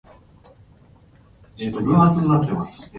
推古天皇